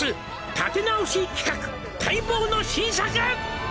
「立て直し企画待望の新作」